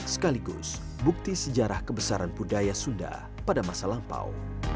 sekaligus bukti sejarah kebesaran budaya sunda pada masa lampau